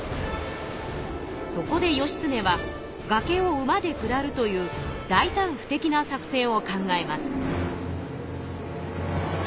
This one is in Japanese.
そこで義経は崖を馬で下るという大たん不敵な作戦を考えます。